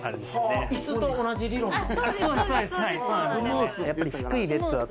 椅子と同じ理論だ。